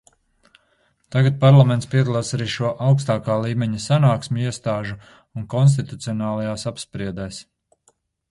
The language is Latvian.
Tagad Parlaments piedalās arī šo augstākā līmeņa sanāksmju iestāžu un konstitucionālajās apspriedēs.